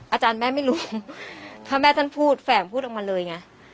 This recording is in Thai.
อาจารย์แม่ไม่รวมถ้าแม่ท่านพูดแฝงพูดออกมาเลยไง